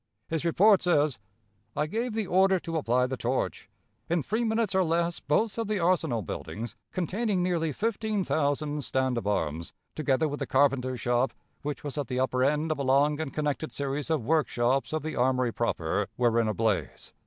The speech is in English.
His report says: "I gave the order to apply the torch. In three minutes or less, both of the arsenal buildings, containing nearly fifteen thousand stand of arms, together with the carpenter's shop, which was at the upper end of a long and connected series of workshops of the armory proper, were in a blaze.